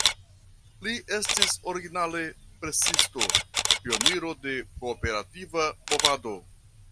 Li estis originale presisto, pioniro de kooperativa movado.